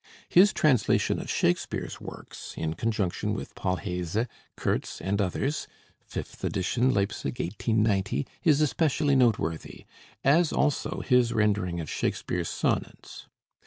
His translation of Shakespeare's works, in conjunction with Paul Heyse, Kurz, and others (fifth edition, Leipzig, 1890), is especially noteworthy, as also his rendering of Shakespeare's sonnets.